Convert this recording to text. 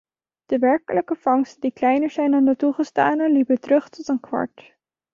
De werkelijke vangsten die kleiner zijn dan de toegestane liepen terug tot een kwart.